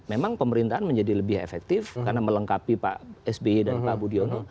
memang pemerintahan menjadi lebih efektif karena melengkapi pak sby dan pak budiono